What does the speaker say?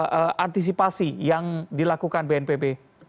apa antisipasi yang dilakukan bnpb